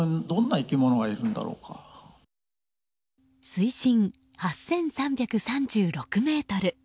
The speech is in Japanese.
水深８３３６ｍ。